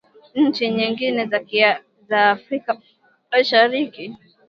nchi nyingine za Afrika Mashariki